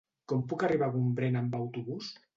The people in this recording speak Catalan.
Com puc arribar a Gombrèn amb autobús?